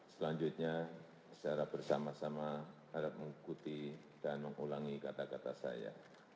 selanjutnya secara bersama sama harap mengikuti dan mengulangi kata kata saya